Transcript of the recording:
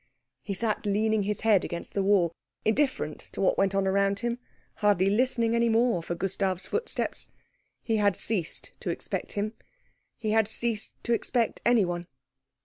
He sat leaning his head against the wall, indifferent to what went on around him, hardly listening any more for Gustav's footsteps. He had ceased to expect him. He had ceased to expect anyone.